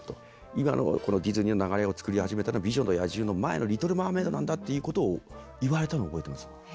今のこのディズニーの流れを作り始めたのは「美女と野獣」の前の「リトル・マーメイド」なんだっていうことを言われたの覚えてます。